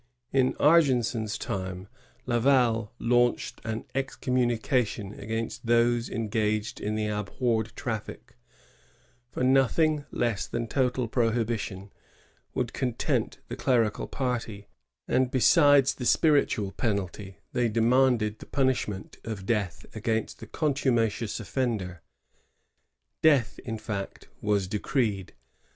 In Argenson's time, Laval launched an excommunication against those engaged in the abhorred traffic; for nothing less than total prohibition would content the clerical party, and besides the spiritual penalty, they demanded the punisluAent of death against the contumacious offender. Death, in fact, was decreed.